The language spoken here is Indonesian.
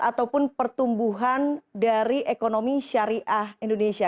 ataupun pertumbuhan dari ekonomi syariah indonesia